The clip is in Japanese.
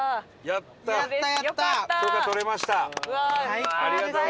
やったー！